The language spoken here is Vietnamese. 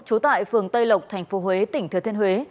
trú tại phường tây lộc tp huế tỉnh thừa thiên huế